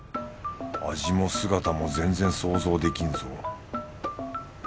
味も姿も全然想像できんぞ